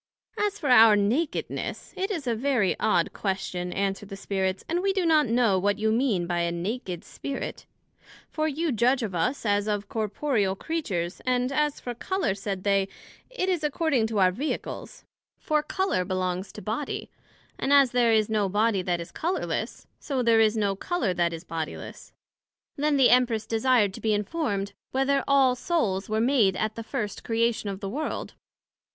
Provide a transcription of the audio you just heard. As for our Nakedness, it is a very odd question, answered the Spirits; and we do not know what you mean by a Naked Spirit; for you judg of us as of corporeal Creatures; and as for Colour, said they, it is according to our Vehicles; for Colour belongs to Body, and as there is no Body that is colourless, so there is no Colour that is bodiless. Then the Empress desired to be informed, Whether all Souls were made at the first Creation of the World?